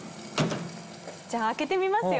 じゃあ開けてみますよ